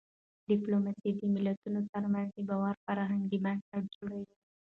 ډيپلوماسي د ملتونو ترمنځ د باور فرهنګي بنسټ جوړوي.